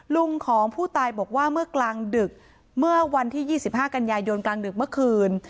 ลุงของผู้ตายบอกว่าเมื่อกลางดึกเมื่อวันที่๒๕กันยายนกลางดึกเมื่อคืน